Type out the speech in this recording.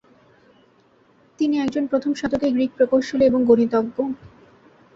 তিনি একজন প্রথম শতকের গ্রিক প্রকৌশলী এবং গণিতজ্ঞ।